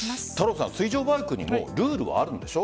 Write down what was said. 水上バイクにもルールはあるんでしょ？